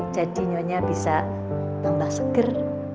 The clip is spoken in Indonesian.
jadi nyonya bisa membaseker